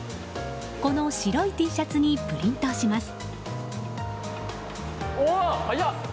この白いＴシャツにプリントします。